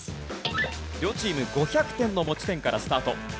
両チーム５００点の持ち点からスタート。